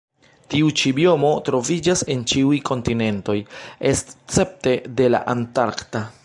Tiu ĉi biomo troviĝas en ĉiuj kontinentoj escepte de la antarkta.